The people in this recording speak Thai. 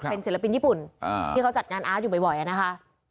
เป็นศิลปินญี่ปุ่นที่เขาจัดงานอาร์ตอยู่บ่อยนะคะ